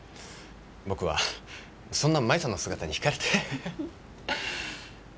僕はそんな舞さんの姿に引かれて。